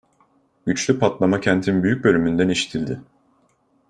Güçlü patlama kentin büyük bölümünden işitildi.